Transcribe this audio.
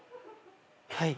はい。